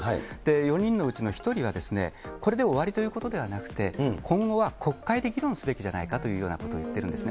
４人のうちの１人は、これで終わりということではなくて、今後は国会で議論すべきじゃないかということを言ってるんですね。